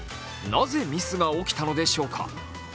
なぜミスが起きたのでしょうか。